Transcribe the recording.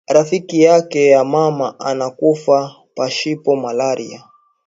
Rafiki yake ya mama ana kufa pashipo malari